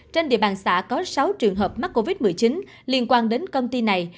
trên địa bàn xã có sáu trường hợp mắc covid một mươi chín liên quan đến công ty này